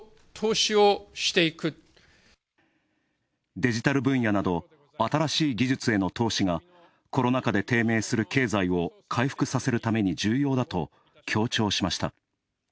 デジタル分野など新しい技術への投資がコロナ禍で低迷する経済を回復させるために重要だと強調しました。